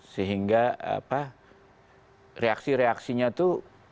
sehingga reaksi reaksinya itu